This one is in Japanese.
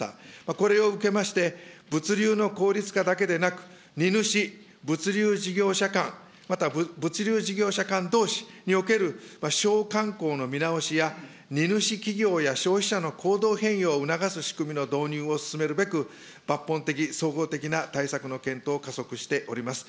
これを受けまして、物流の効率化だけでなく、荷主、物流事業者間、また物流事業者間どうしにおける商慣行の荷主企業や消費者の行動変容を促す仕組みの導入を進めるべく、抜本的、総合的な対策の検討を加速しております。